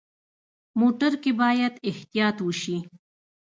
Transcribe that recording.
موټر کې باید احتیاط وشي.